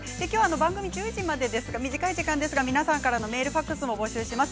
番組１０時までですが皆さんからのメール、ファックスも募集します。